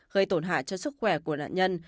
gây tổn hại cho sức khỏe của nạn nhân